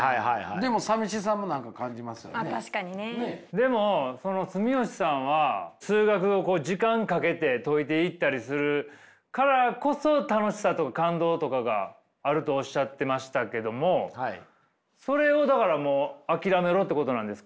でもその住吉さんは数学をこう時間かけて解いていったりするからこそ楽しさとか感動とかがあるとおっしゃってましたけどもそれをだからもう諦めろってことなんですか？